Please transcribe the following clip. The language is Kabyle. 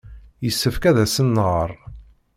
Yessefk ad asen-nɣer.